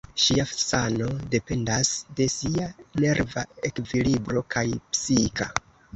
Ŝia sano dependas de sia nerva ekvilibro, kaj psika.